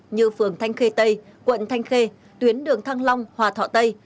như phường thanh khê tây quận thanh khê tuyến đường thăng long hòa thọ tây